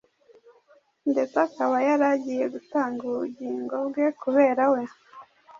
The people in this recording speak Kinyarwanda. ndetse akaba yari agiye gutanga ubugingo bwe kubera we,